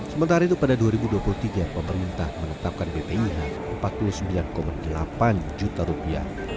sementara itu pada dua ribu dua puluh tiga pemerintah menetapkan bpih empat puluh sembilan delapan juta rupiah